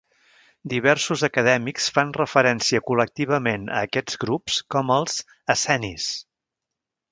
Diversos acadèmics fan referència col·lectivament a aquests grups com els "essenis".